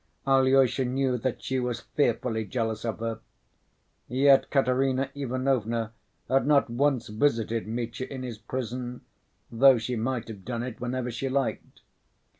Alyosha knew that she was fearfully jealous of her. Yet Katerina Ivanovna had not once visited Mitya in his prison, though she might have done it whenever she liked.